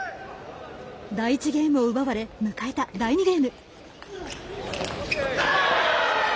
第１ゲームを奪われ迎えた第２ゲーム。